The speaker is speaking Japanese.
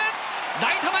ライト前！